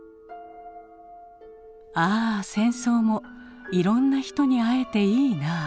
「ああ戦争もいろんな人に逢えていいなあ」。